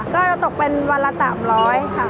ก็จะตกเป็นวันละ๓๐๐ค่ะ